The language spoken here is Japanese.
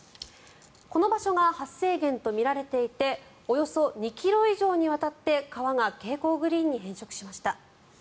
この場所が発生源とみられていておよそ２ｋｍ以上にわたって川が蛍光グリーンに変色しました。